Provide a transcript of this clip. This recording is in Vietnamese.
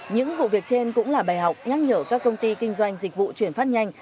những vụ việc trên cũng là bài học nhắc nhở các công ty kinh doanh dịch vụ chuyển phát nhanh